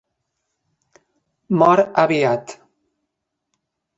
Mor aviat.